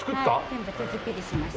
全部手作りしまして。